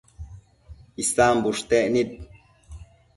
Isan bushtec nid